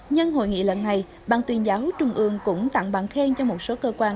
nhân hội nghị lần này bang tuyên giáo trung ương cũng tặng bàn khen cho một số cơ quan